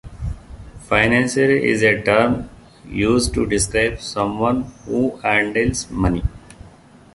Financier is a term used to describe someone who handles money.